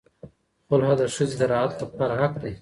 خلع د ښځې د راحت لپاره حق دی.